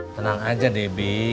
tenang aja debbie